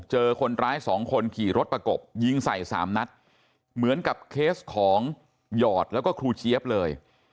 เจอคนร้ายสองคนขี่รถประกบยิงใส่สามนัดเหมือนกับเคสของหยอดแล้วก็ครูเจี๊ยบเลย